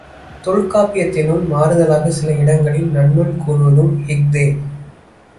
தொல்காப்பியத்தினும் மாறுதலாகச் சில இடங்களில் நன்னூல் கூறுவதும் இஃதே.